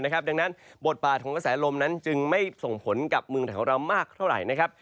ดังนั้นบทปลาดกระแสลมนั้นจึงไม่ส่งผลกับเมืองแถวของเรามากเท่าไหร่